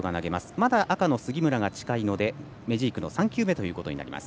まだ赤の杉村が近いのでメジークの３球目となります。